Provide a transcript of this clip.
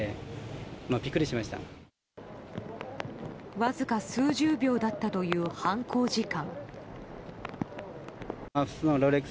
わずか数十秒だったという犯行時間。